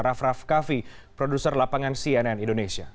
raff raff kaffi produser lapangan cnn indonesia